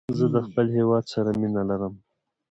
زه د خپل هېواد سره مینه لرم